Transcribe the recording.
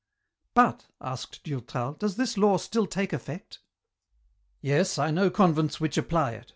" But," asked Durtal, " does this law still take effect ?"" Yes : I know convents which apply it.